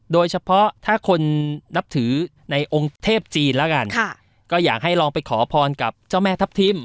โดยเฉพาะถ้าคนนับถือในองค์เทพจีนแล้วกันค่ะก็อยากให้ลองไปขอพรกับเจ้าแม่ทัพทิม